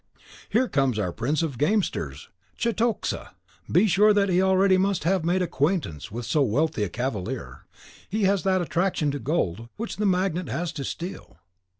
Here comes our prince of gamesters, Cetoxa; be sure that he already must have made acquaintance with so wealthy a cavalier; he has that attraction to gold which the magnet has to steel.